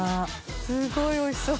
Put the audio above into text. すごいおいしそう。